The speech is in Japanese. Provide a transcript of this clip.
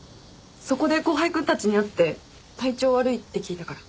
そこで後輩君たちに会って体調悪いって聞いたから。